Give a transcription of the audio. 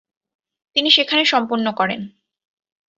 তিনি সেখানে সম্পন্ন করেন।